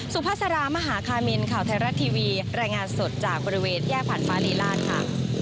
ภาษารามหาคามินข่าวไทยรัฐทีวีรายงานสดจากบริเวณแยกผ่านฟ้าลีลาศค่ะ